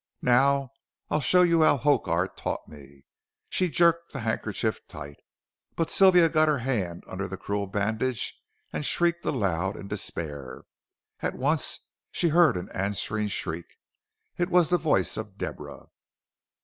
Now I'll show you how Hokar taught me," she jerked the handkerchief tight. But Sylvia got her hand under the cruel bandage and shrieked aloud in despair. At once she heard an answering shriek. It was the voice of Deborah.